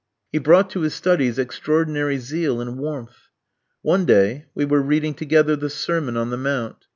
He brought to his studies extraordinary zeal and warmth. One day we were reading together the Sermon on the Mount.